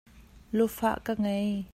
Lufah ka ngei.